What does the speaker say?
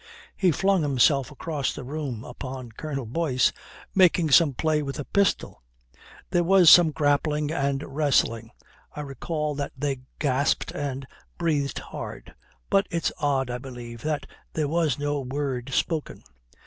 He flung himself across the room upon Colonel Boyce, making some play with a pistol. There was some grappling and wrestling. I recall that they gasped and breathed hard. But it's odd, I believe, that there was no word spoken.